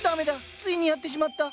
ついにやってしまった！